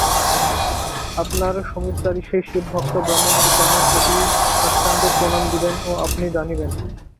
আপনার সমীপচারী সেই শিবভক্ত ব্রাহ্মণটিকে আমার কোটি সাষ্টাঙ্গ প্রণাম দিবেন ও আপনি জানিবেন।